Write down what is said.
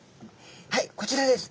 はいこちらです。